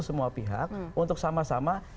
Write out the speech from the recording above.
semua pihak untuk sama sama